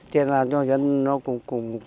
cho nên là cho nên nó cũng